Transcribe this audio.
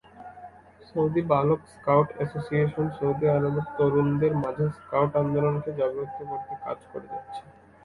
Saudi বালক scout association Saudi আরবে তরুণদের মাঝে স্কাউট আন্দোলনকে জাগ্রত করতে কাজ করে যাচ্ছে।